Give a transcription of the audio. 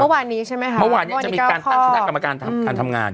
เมื่อวานนี้ใช่ไหมฮะเมื่อวานนี้เก้าข้อเมื่อวานนี้จะมีการตั้งคณะกรรมการทำงาน